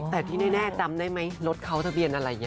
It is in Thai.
แต่ที่แน่จำได้ไหมรถเขาทะเบียนอะไรอย่างนี้